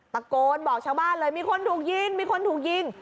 ตะโกนบอกชาวบ้านเลยมีคนถูกยิงมีคนถูกยิง